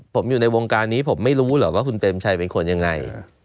ผมอยู่ในวงการนี้ผมไม่รู้เหรอว่าคุณเปรมชัยเป็นคนยังไง